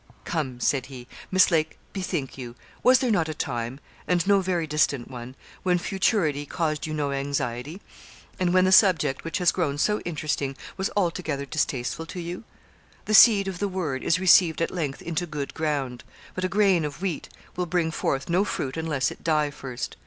'Come!' said he, 'Miss Lake, bethink you; was there not a time and no very distant one when futurity caused you no anxiety, and when the subject which has grown so interesting, was altogether distasteful to you. The seed of the Word is received at length into good ground; but a grain of wheat will bring forth no fruit unless it die first.